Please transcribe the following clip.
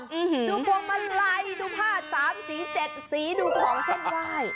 ดูพวงมาลัยดูผ้าสามสีเจ็ดสีดูของเส้นไหว้